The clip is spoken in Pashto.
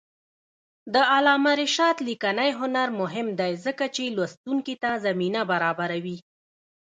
د علامه رشاد لیکنی هنر مهم دی ځکه چې لوستونکي ته زمینه برابروي.